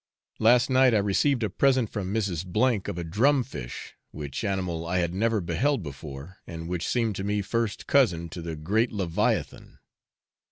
Last night I received a present from Mrs. F of a drum fish, which animal I had never beheld before, and which seemed to me first cousin to the great Leviathan.